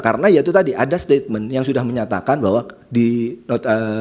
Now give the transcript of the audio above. karena itu tadi ada statement yang sudah menyatakan bahwa di not